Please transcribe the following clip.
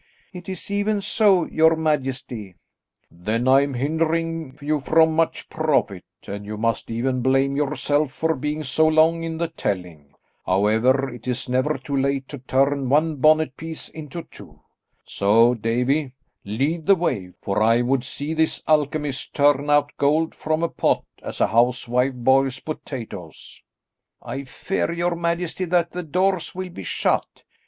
"It is even so, your majesty." "Then am I hindering you from much profit, and you must even blame yourself for being so long in the telling. However, it is never too late to turn one bonnet piece into two. So, Davie, lead the way, for I would see this alchemist turn out gold from a pot as a housewife boils potatoes." "I fear, your majesty, that the doors will be shut."